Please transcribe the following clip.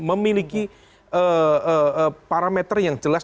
memiliki parameter yang jelas